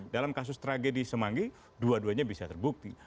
dalam kasus tragedi semanggi dua duanya bisa terbukti